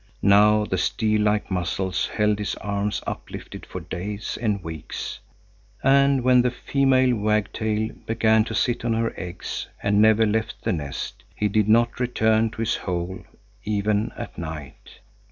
Now the steel like muscles held his arms uplifted for days and weeks, and when the female wagtail began to sit on her eggs and never left the nest, he did not return to his hole even at night.